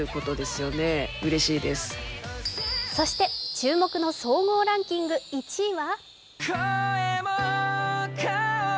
注目の総合ランキング１位は？